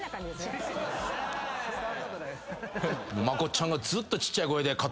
まこっちゃんがずっとちっちゃい声で。